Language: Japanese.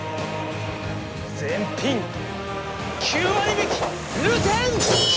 全品９割引き流転！